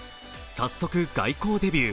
早速、外交デビュー。